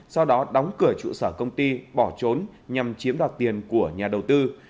sau đó đóng cửa trụ sở công ty bỏ trốn nhằm chiếm đoạt tiền của nhà đầu tư